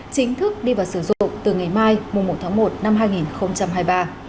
chính thức đi vào sử dụng từ ngày mai